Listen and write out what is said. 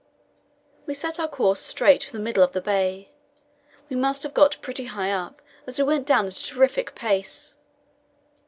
We set our course straight for the middle of the bay. We must have got pretty high up, as we went down at a terrific pace.